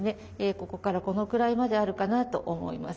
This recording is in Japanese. ここからこのくらいまであるかなと思います。